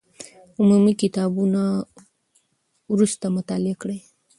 عمومي کتابونه وروسته مطالعه کړئ.